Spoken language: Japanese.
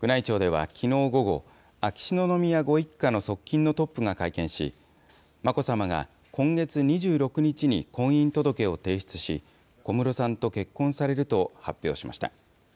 宮内庁ではきのう午後、秋篠宮ご一家の側近のトップが会見し、眞子さまが今月２６日に婚姻届を提出し、小室さんと結婚されると発表しました。